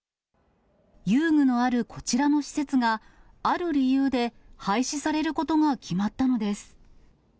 遊具のあるこちらの施設が、ある理由で廃止されることが決まったのです。